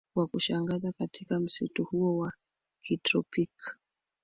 Kwa kushangaza katika msitu huu wa kitropiki